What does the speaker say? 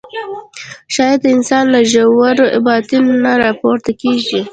ښایست د انسان له ژور باطن نه راپورته کېږي